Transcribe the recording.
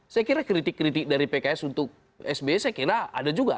saya kira kritik kritik dari pks untuk sby saya kira ada juga